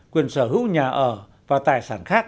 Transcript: quyền sở hữu nhà ở và tài sản khác